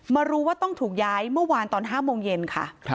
มารู้ว่าต้องถูกย้ายเมื่อวานตอน๕โมงเย็นค่ะ